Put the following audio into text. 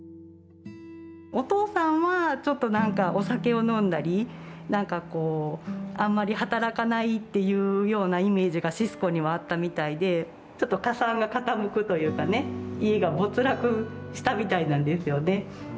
お父さんはちょっと何かお酒を飲んだり何かこうあんまり働かないっていうようなイメージがシスコにはあったみたいでちょっと家産が傾くというかね家が没落したみたいなんですよね。